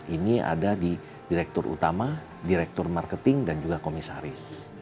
ini ada di direktur utama direktur marketing dan juga komisaris